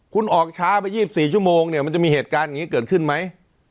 คุณออกช้าไป๒๔ชั่วโมงเนี่ยมันจะมีเหตุการณ์อย่างนี้เกิดขึ้นไหม